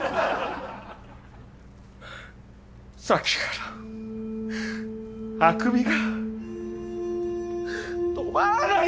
さっきからあくびが止まらないんだ！